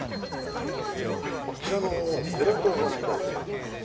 こちらのグラフをご覧いただきます。